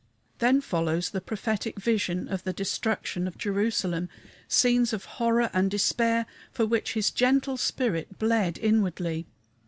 Then follows the prophetic vision of the destruction of Jerusalem scenes of horror and despair for which his gentle spirit bled inwardly.